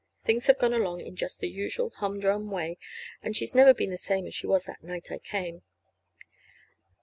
Things have gone along in just the usual humdrum way, and she's never been the same as she was that night I came.